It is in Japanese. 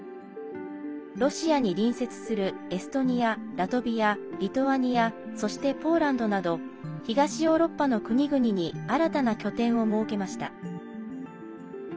ロシアに隣接するエストニアラトビア、リトアニアそして、ポーランドなど東ヨーロッパの国々に新たな拠点を設けました。